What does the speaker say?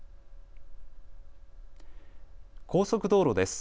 高速道路です。